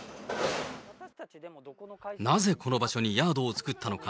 なぜ、この場所にヤードを作ったのか。